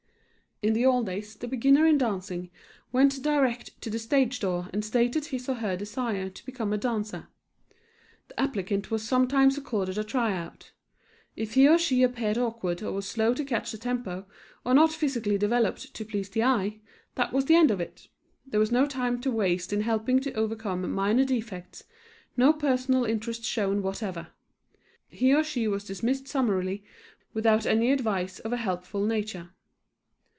In the old days the beginner in dancing went direct to the stage door and stated his or her desire to become a dancer. The applicant was sometimes accorded a tryout. If he or she appeared awkward or was slow to catch the tempo, or not physically developed to please the eye, that was the end of it. There was no time to waste in helping to overcome minor defects, no personal interest shown whatever. He or she was dismissed summarily without any advice of a helpful nature.